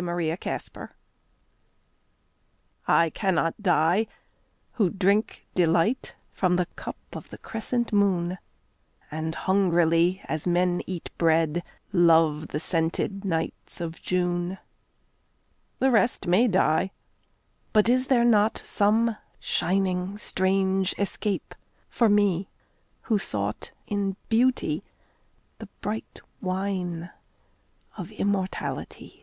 The Wine I cannot die, who drank delight From the cup of the crescent moon, And hungrily as men eat bread, Loved the scented nights of June. The rest may die but is there not Some shining strange escape for me Who sought in Beauty the bright wine Of immortality?